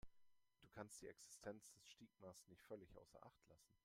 Du kannst die Existenz des Stigmas nicht völlig außer Acht lassen.